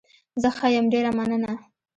زه ښه يم، ډېره مننه.